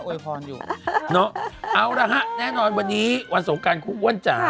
อยู่เนาะเอาละฮะแน่นอนวันนี้วันสงการครูอ้วนจ๋า